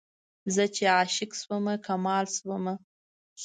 زه چې عشق شومه کمال شوم